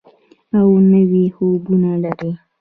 او نوي خوبونه لري.